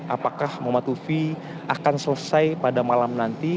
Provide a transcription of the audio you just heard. apakah momotufi akan selesai pada malam nanti